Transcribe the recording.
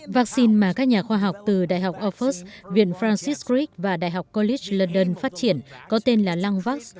vaccine mà các nhà khoa học từ đại học oxford viện francis crick và đại học colit london phát triển có tên là langvax